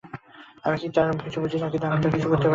আমি কি তার কিছু বুঝি, না আমি তার কিছু করিতে পারি?